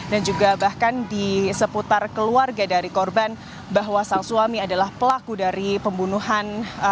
dan tadi opini publik yang saat ini terjadi begitu ya di masyarakat dan bahkan anche seputar keluarga dari korban bahwa sang suami adalah pelaku dari pembunuhan korban wanita dalam koper